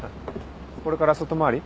これから外回り？